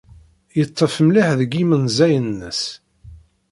Yeḍḍef mliḥ deg yimenzayen-nnes.